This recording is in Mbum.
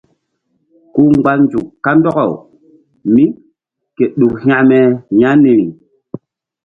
Ku mgba nzuk kandɔkaw mí ke ɗuk hekme ƴah niri.